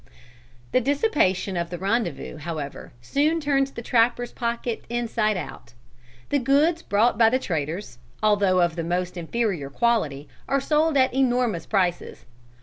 The dissipation of the rendezvous, however, soon turns the trapper's pocket inside out. The goods brought by the traders, although of the most inferior quality, are sold at enormous prices.